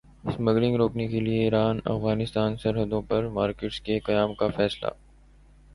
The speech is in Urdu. اسمگلنگ روکنے کیلئے ایران افغانستان سرحدوں پر مارکیٹس کے قیام کا فیصلہ